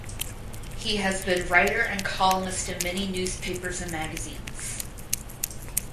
He has been writer and columnist in many newspapers and magazines.